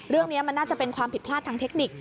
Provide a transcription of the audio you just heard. เรื่องนี้มันน่าจะเป็นความผิดพลาดทางเทคนิค